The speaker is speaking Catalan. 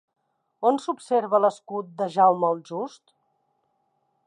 On s'observa l'escut de Jaume el Just?